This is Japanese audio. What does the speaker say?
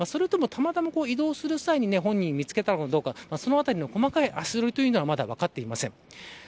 それとも、たまたま移動する際に本人を見つけたのかそのあたりの細かい足取りは分かっていません。